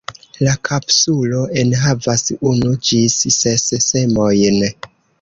La kapsulo enhavas unu ĝis ses semojn.